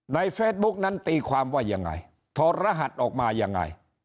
เฟซบุ๊กนั้นตีความว่ายังไงทรหัสออกมายังไง